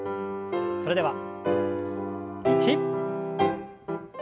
それでは１。